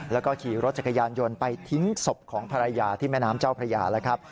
แล้วก็ขี่รถจักรยานยนต์ไปทิ้งศพของภรรยาที่แม่น้ำเจ้าพระยาแล้วครับ